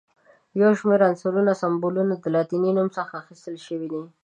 د یو شمېر عنصرونو سمبولونه له لاتیني نوم څخه اخیستل شوي دي.